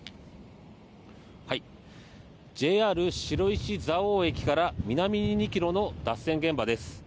ＪＲ白石蔵王駅から南に２ｋｍの脱線現場です。